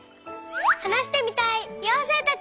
はなしてみたいようせいたち！